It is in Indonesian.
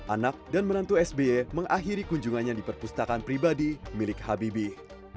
anak dan menantu sby mengakhiri kunjungannya di perpustakaan pribadi milik habibie